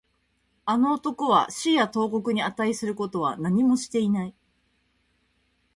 あの男は死や投獄に値することは何もしていない